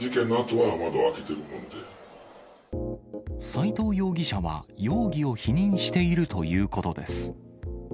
斉藤容疑者は、容疑を否認しているということです。